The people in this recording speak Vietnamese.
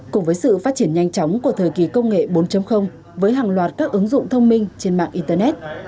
cùng với sự phát triển nhanh chóng của thời kỳ công nghệ bốn với hàng loạt các ứng dụng thông minh trên mạng internet